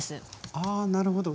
あなるほど。